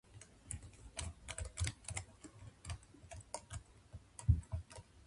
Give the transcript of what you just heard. お金は価値を与えられているからこそ、価値あるものなのだ。